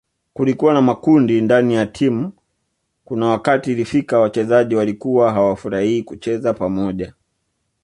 Kulikuwa na makundi ndani ya timu kuna wakati ilifika wachezaji walikuwa hawafurahii kucheza pamoja